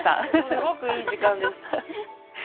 すごくいい時間です。